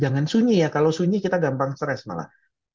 jangan sunyi ya kalau sunyi kita gampang stres malah